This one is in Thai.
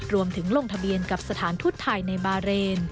ลงทะเบียนกับสถานทูตไทยในบาเรน